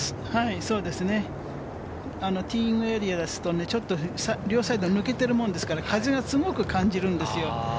そうですね、ティーイングエリアからですと両サイドを抜けてるものですから、風がすごく感じるんですよ。